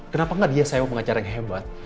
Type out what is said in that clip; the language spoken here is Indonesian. kenapa gak dia sayang pengacara yang hebat